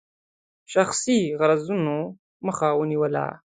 شخصي غرضونو مخه ونیوله.